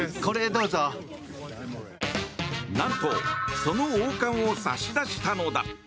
何とその王冠を差し出したのだ。